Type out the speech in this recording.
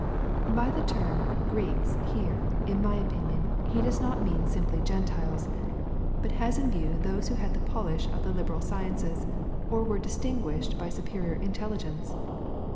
By the term Greeks here, in my opinion, he does not mean simply Gentiles, but has in view those who had the polish of the liberal sciences, or were distinguished by superior in telligence.